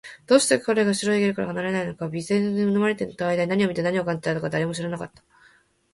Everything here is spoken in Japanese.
どうして彼が白いゲルから離れないのか、軟体生物に飲まれていた間に何を見て、何を感じたのか、誰も知らなかった